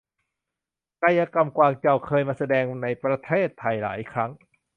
กายกรรมกวางเจา เคยมาแสดงในประเทศไทยหลายครั้ง